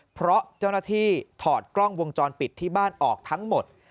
เพราะเจ้าหน้าที่ถอดกล้องวงจรปิดที่บ้านออกทั้งหมด